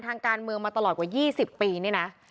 ทางการเมืองมาตลอดกว่า๒๐ปีเนี่ยนะ